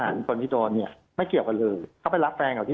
เจอน้องที่ลงเจชน์ใช่ไหมครับ